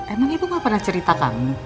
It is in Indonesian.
emang ibu gak pernah cerita kamu